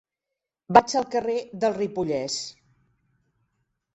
Vaig al carrer del Ripollès.